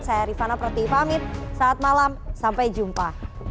saya rifana prati pamit saat malam sampai jumpa